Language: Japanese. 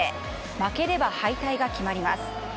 負ければ敗退が決まります。